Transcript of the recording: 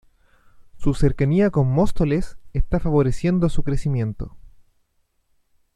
Su cercanía con Móstoles está favoreciendo su crecimiento.